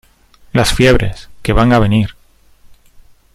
las fiebres, que van a venir.